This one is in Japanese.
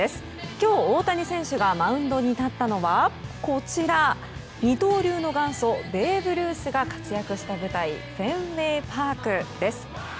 今日、大谷選手がマウンドに立ったのは二刀流の元祖ベーブ・ルースが活躍した舞台フェンウェイパークです。